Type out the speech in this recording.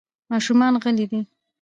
ماشومان غلي دي .